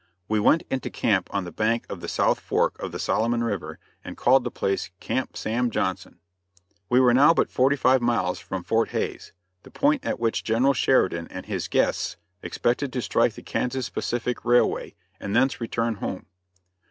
We went into camp on the bank of the South Fork of the Solomon River and called the place Camp Sam Johnson. We were now but forty five miles from Fort Hays, the point at which General Sheridan and his guests expected to strike the Kansas Pacific Railway, and thence return home.